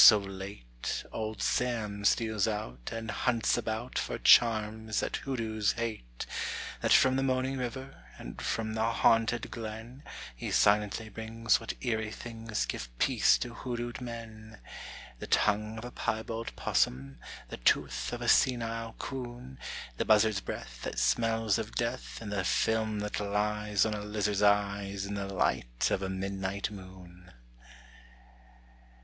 so late, Old Sam steals out And hunts about For charms that hoodoos hate! That from the moaning river And from the haunted glen He silently brings what eerie things Give peace to hoodooed men: _The tongue of a piebald 'possum, The tooth of a senile 'coon, The buzzard's breath that smells of death, And the film that lies On a lizard's eyes In the light of a midnight moon!